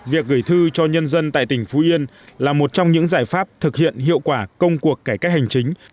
việc gửi thư cho nhân dân tại tỉnh phú yên là một trong những giải pháp thực hiện hiệu quả công cuộc cải cách hành chính